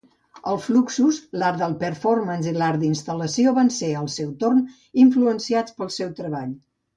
El Fluxus, l'art de performance i l'art d'instal·lació van ser, al seu torn, influenciats pel seu treball.